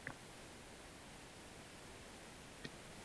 Bir ayolning nazariga tushamiz